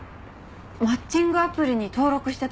マッチングアプリに登録してた？